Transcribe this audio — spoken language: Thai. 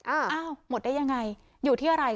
อ้าวอ้าวหมดได้ยังไงอยู่ที่อะไร